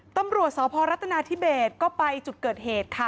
ตำรวจสพรัฐนาธิเบสก็ไปจุดเกิดเหตุค่ะ